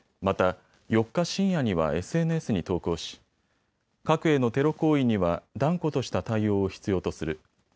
また、４日深夜にはＳＮＳに投稿し、核へのテロ行為には断固とした対応を必要とする。